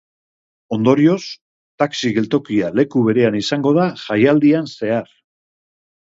Ondorioz, taxi geltokia leku berean izango da jaialdian zehar.